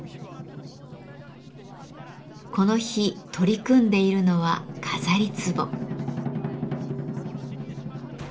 この日取り組んでいるのは飾り壺。